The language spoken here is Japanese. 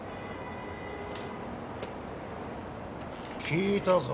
聞いたぞ。